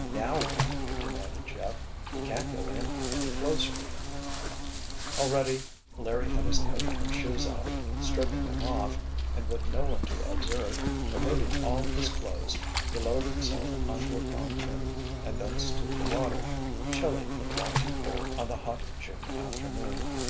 "Now what?" demanded Jeff. "We can't go in any closer." Already Larry had his coat and shoes off. Stripping them off, and with no one to observe, removing all his clothes, he lowered himself onto a pontoon and thence to the water, chilly but not too cold on the hot June afternoon.